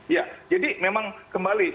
ya jadi memang kembali